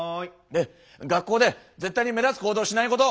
で学校で絶対に目立つ行動しないこと。